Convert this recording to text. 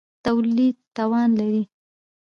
د تولید توان لري.